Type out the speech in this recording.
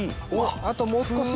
あともう少し。